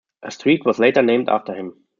A street was later named after him.